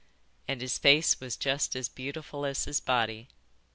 "And his face was just as beautiful as his body.